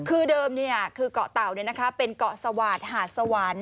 คือเดิมเนี่ยคือเกาะเตาเนี่ยนะคะเป็นเกาะสวาดหาดสวรรค์